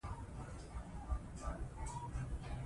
د مېلو پر مهال خوراکي رنګارنګ توکي موجود يي.